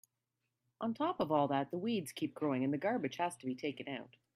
On top of all that, the weeds keep growing and the garbage has to be taken out.